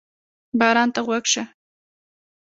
باران ته غوږ شه.